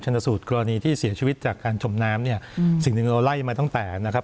สูตรกรณีที่เสียชีวิตจากการจมน้ำเนี่ยสิ่งหนึ่งเราไล่มาตั้งแต่นะครับ